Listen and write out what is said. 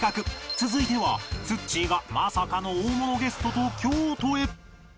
続いてはつっちーがまさかの大物ゲストと京都へ